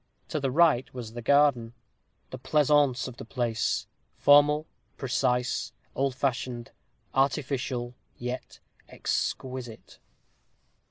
To the right was the garden the pleasaunce of the place formal, precise, old fashioned, artificial, yet exquisite!